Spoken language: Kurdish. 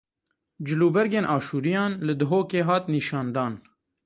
Cilûbergên Aşûriyan li Duhokê hat nîşandan.